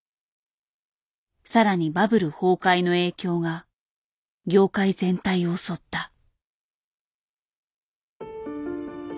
さらにバブル崩壊の影響が業界全体を襲った。